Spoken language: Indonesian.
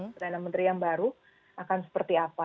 perdana menteri yang baru akan seperti apa